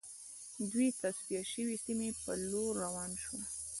دوی د تصفیه شوې سیمې په لور روان شول